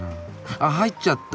あっ入っちゃった。